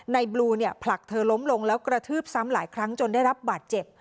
บลูเนี่ยผลักเธอล้มลงแล้วกระทืบซ้ำหลายครั้งจนได้รับบาดเจ็บ